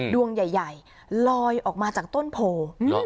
ดวงใหญ่ลอยออกมาจากต้นโพ